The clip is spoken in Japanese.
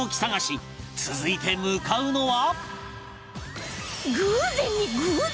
続いて向かうのは